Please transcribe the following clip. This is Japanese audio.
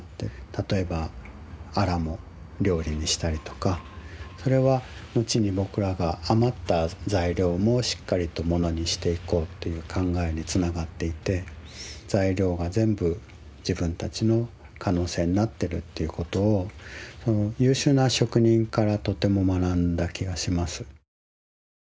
例えばあらも料理にしたりとかそれはのちに僕らが余った材料もしっかりとものにしていこうという考えにつながっていて材料が全部自分たちの可能性になってるっていうことを優秀な職人からとても学んだ気がします。